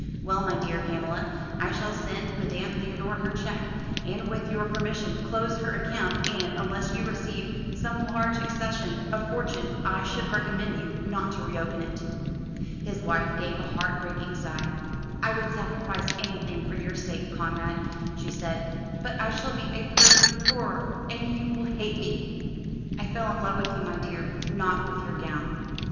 Well, my dear Pamela, I shall send Madame Theodore her cheque, and with your permission close her account; and, unless you receive some large accession of fortune I should recommend you not to reopen it." His wife gave a heart breaking sigh. "I would sacrifice anything for your sake, Conrad," she said, "but I shall be a perfect horror, and you will hate me." "I fell in love with you, my dear, not with your gown."